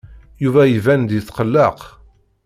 Yuba iban-d yetqelleq.